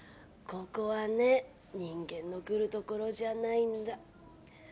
ここはね、人間の来る所じゃないんだ。